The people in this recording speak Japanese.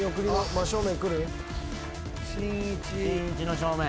しんいちの正面。